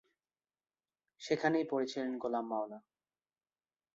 সেখানেই পড়ে ছিলেন গোলাম মাওলা।